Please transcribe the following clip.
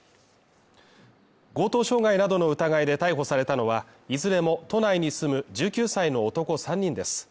強盗傷害などの疑いで逮捕されたのは、いずれも都内に住む１９歳の男３人です。